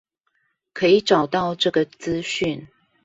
可以找到這個資訊